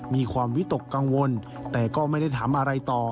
มีความวิตกกังวลแต่ก็ไม่ได้ถามอะไรต่อ